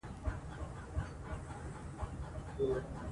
نجونې به تر هغه وخته پورې د انجینرۍ نقشې جوړوي.